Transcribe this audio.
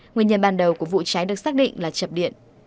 nguyên nhân ban đầu của vụ cháy được xác định là chập điện